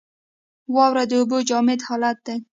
واوره د اوبو جامد حالت دی.